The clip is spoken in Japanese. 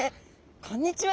こんにちは！